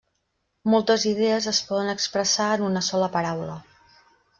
Moltes idees es poden expressar en una sola paraula.